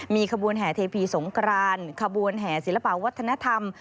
มีขบวนแห่เทพีสงกรานขบวนแห่ศิลปะวัฒนธรรม